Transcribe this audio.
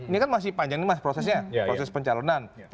ini kan masih panjang nih mas prosesnya proses pencalonan